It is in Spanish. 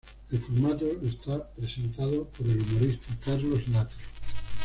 El formato está presentado por el humorista Carlos Latre.